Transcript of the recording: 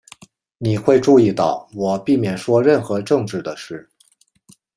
你会注意到我避免说任何政治的事。